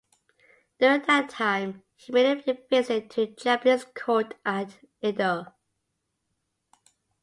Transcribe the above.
During that time he made a visit to the Japanese court at Edo.